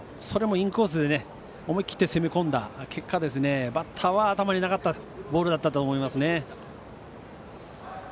それもインコースで思い切って攻め込んだ結果バッターは頭になかったボールだと思いますね。